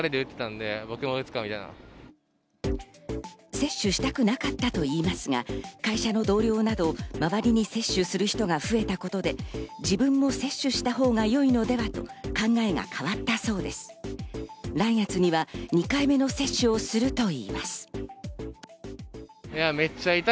接種したくなかったといいますが、会社の同僚など周りに接種する人が増えたことで自分も接種したほうが良いのではと、考えが変わったそうです。